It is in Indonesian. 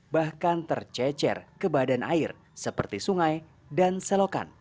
bahkan tercecer ke badan air seperti sungai dan selokan